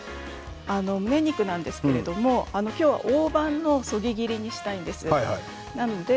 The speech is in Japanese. むね肉なんですけれど今日は大判のそぎ切りにしたいんです。